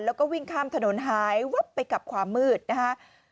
แล้วก็วิ่งข้ามถนนหายวับไปกับความมืดนะฮะ